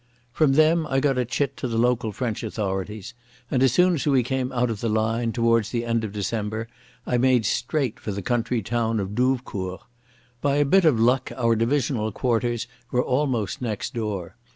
From them I got a chit to the local French authorities, and, as soon as we came out of the line, towards the end of December, I made straight for the country town of Douvecourt. By a bit of luck our divisional quarters were almost next door.